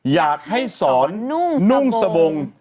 อยากให้สอนนุ่งสบง